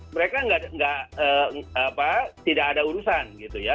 mereka tidak ada urusan gitu ya